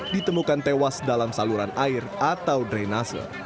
ditemukan tewas dalam saluran air atau drenase